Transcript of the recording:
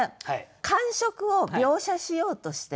感触を描写しようとしてる。